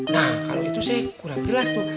nah kalo itu saya kurang jelas tuh